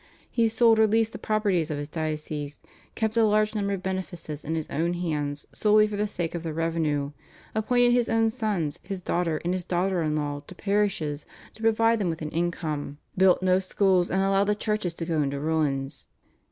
He sold or leased the property of his dioceses, kept a large number of benefices in his own hands solely for the sake of the revenue, appointed his own sons, his daughter, and his daughter in law to parishes to provide them with an income, built no schools, and allowed the churches to go into ruins.